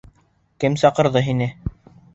Кем саҡырҙы һине?